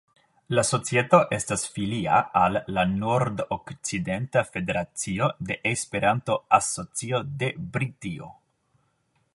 La societo estas filia al la Nord-Okcidenta Federacio de Esperanto-Asocio de Britio.